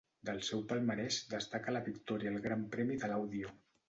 Del seu palmarès destaca la victòria al Gran Premi de Laudio.